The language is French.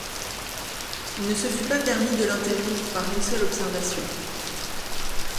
Il ne se fût pas permis de l’interrompre par une seule observation.